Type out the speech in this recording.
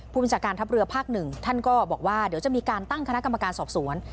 พคทับเรือย์๑ท่านก็บอกว่าเดี๋ยวจะมีการตั้งคณะกรรมการสอบสวน